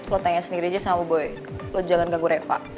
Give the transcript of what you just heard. lo tanya sendiri aja sama boy lo jangan ganggu reva